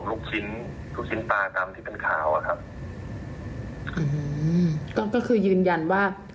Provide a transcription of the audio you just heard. อื้อหือคือยืนยันว่า